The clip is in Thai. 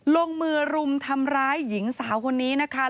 ลงมือรุมทำร้ายหญิงสาวคนนี้นะคะ